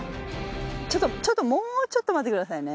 ちょっとちょっともうちょっと待ってくださいね。